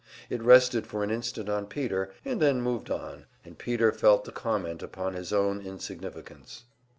It rested for an instant on Peter, and then moved on, and Peter felt the comment upon his own insignificance.